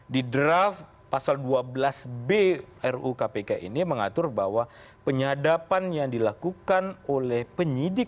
di draft pasal dua belas b ru kpk ini mengatur bahwa penyadapan yang dilakukan oleh penyidik